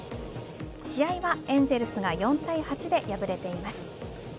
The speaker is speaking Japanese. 試合はエンゼルスが４対８で敗れています。